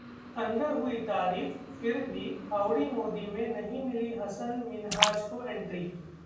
अंदर हुई तारीफ, फिर भी ‘हाउडी मोदी’ में नहीं मिली हसन मिनहाज को एंट्री